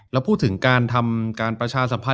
แล้วพูดถึงการทำการประชาสัมพันธ